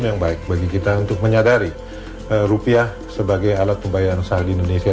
yang baik bagi kita untuk menyadari rupiah sebagai alat pembayaran sahal di indonesia